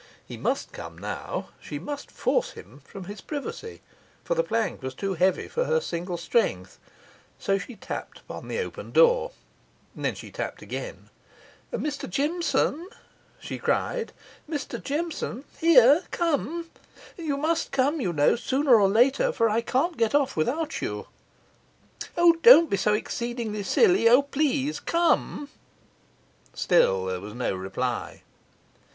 He must come now, she must force him from his privacy, for the plank was too heavy for her single strength; so she tapped upon the open door. Then she tapped again. 'Mr Jimson,' she cried, 'Mr Jimson! here, come! you must come, you know, sooner or later, for I can't get off without you. O, don't be so exceedingly silly! O, please, come!' Still there was no reply.